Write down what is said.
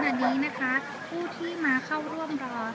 วันนี้นะคะผู้ที่มาเข้าร่วมรอ